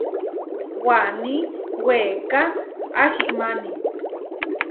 Waní weká ahimáni.